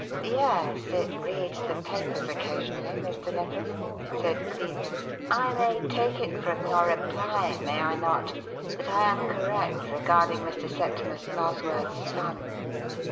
"Yes it reads the papers occasionally, Mr. Nippers," said Cleek. "I may take it from your reply, may I not, that I am correct regarding Mr. Septimus Nosworth's son?"